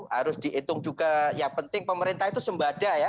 harus dihitung juga yang penting pemerintah itu sembadai ya